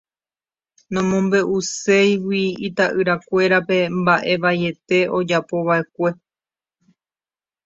nomombe'uségui ita'yrakuérape mba'e vaiete ojapova'ekue